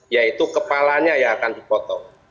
yaitu kepalanya yang akan dipotong